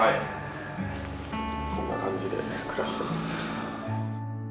こんな感じで暮らしてます。